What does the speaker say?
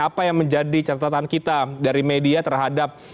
apa yang menjadi catatan kita dari media terhadap